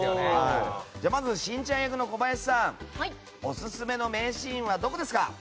まずしんちゃん役の小林さんのオススメの名シーンはどこですか？